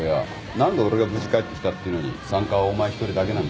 何で俺が無事帰ってきたっていうのに参加はお前１人だけなんだよ？